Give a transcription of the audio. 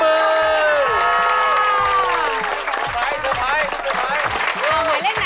หมายเลขไหนต่อไปนะ